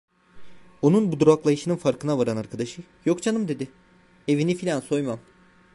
Onun bu duraklayışının farkına varan arkadaşı: "Yok canım" dedi, "evini filan soymam."